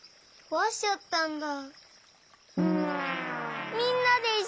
こわしちゃったんだ。